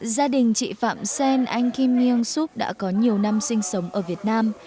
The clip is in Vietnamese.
gia đình chị phạm sen anh kim nhiên xúc đã có nhiều năm sinh sống ở việt nam